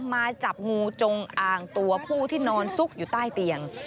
มาจับงูจงอ่างตัวผู้ที่นอนซุกอยู่ใต้เตียง